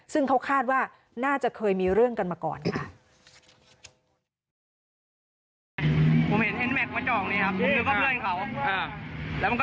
ซึ่งเขาคาดว่าน่าจะเคยมีเรื่องกันมาก่อนค่ะ